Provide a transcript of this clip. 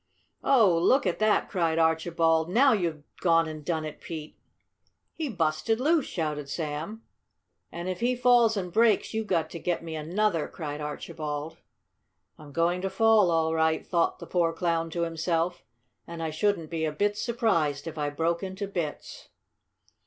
"Oh, look at that!" cried Archibald, "Now you've gone and done it, Pete!" "He busted loose!" shouted Sam. "If he falls and breaks, you've got to get me another," cried Archibald. "I'm going to fall, all right," thought the poor Clown to himself, "and I shouldn't be a bit surprised if I broke into bits!"